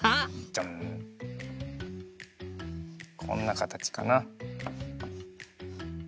ジャンこんなかたちかな。